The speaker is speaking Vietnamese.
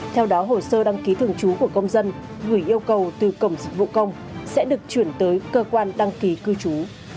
theo đó hồ sơ đăng ký thường trú của công dân gửi yêu cầu từ cổng dịch vụ công sẽ được chuyển tới cơ quan đăng ký cư trú